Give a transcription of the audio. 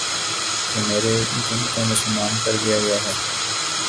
کہ میرے جن کو مسلمان کر دیا گیا ہے